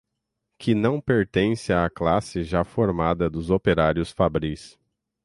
que não pertence à classe já formada dos operários fabris